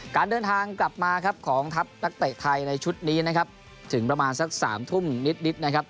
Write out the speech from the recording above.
การเดินทางกลับมาครับของทัพนักเตะไทยในชุดนี้นะครับถึงประมาณสัก๓ทุ่มนิดนะครับ